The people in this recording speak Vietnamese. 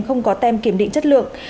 không có tem kiểm định chất lượng